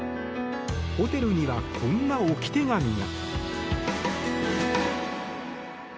ホテルにはこんな置き手紙が。